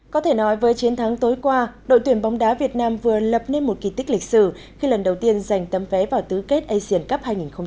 có thể nói với chiến thắng tối qua đội tuyển bóng đá việt nam vừa lập nên một kỳ tích lịch sử khi lần đầu tiên giành tấm vé vào tứ kết asian cup hai nghìn một mươi chín